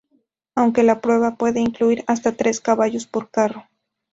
Aunque la prueba puede incluir hasta tres caballos por carro.